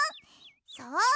そう！